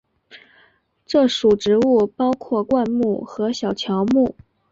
这属植物包括灌木和小乔木。